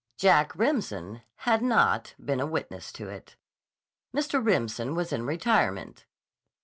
Jacob Remsen had not been a witness to it. Mr. Remsen was in retirement.